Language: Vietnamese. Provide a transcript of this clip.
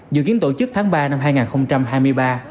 dự kiến tổ chức tháng ba năm hai nghìn hai mươi ba